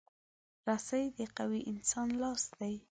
رسۍ د قوي انسان لاس دی.